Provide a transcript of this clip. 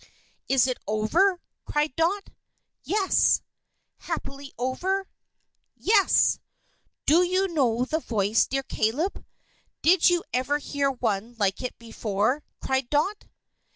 "Is it over?" cried Dot. "Yes!" "Happily over?" "Yes!" "Do you know the voice, dear Caleb? Did you ever hear one like it before?" cried Dot.